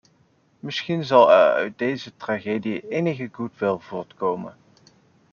Misschien zal er uit deze tragedie enige goodwill voortkomen.